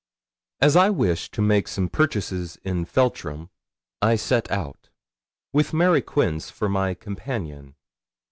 As I wished to make some purchases in Feltram, I set out, with Mary Quince for my companion.